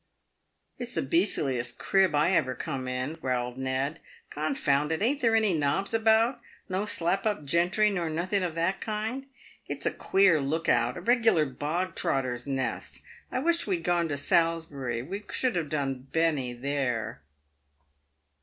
" It's the beastliest crib I ever come in," growled Ned. " Confound it ! ain't there any nobs about — no slap up gentry, nor nothing of that kind ? It's a queer look out — a regular bog trotters' nest ! I wish we'd gone to Salisbury ; we should have done bene there."